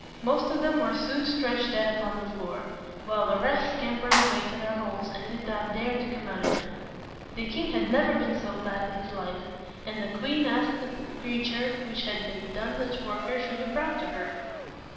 Most of them were soon stretched dead upon the floor, while the rest scam pered away to their holes, and did not dare to come out again. The king had never been so glad in his life; and the queen asked that the creature which had done such wonders should be brought to her.